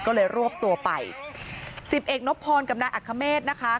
ก็เลยรวบตัวไปสิบเอกนพรกับนายอัคเมษนะคะ